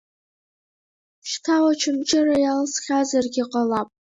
Шьҭа Очамчыра иалсхьазаргьы ҟалап.